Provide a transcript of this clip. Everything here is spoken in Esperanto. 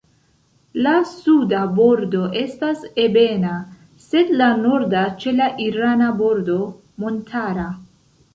La suda bordo estas ebena, sed la norda ĉe la irana bordo montara.